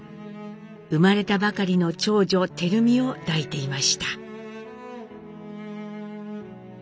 生まれたばかりの長女照美を抱いていました。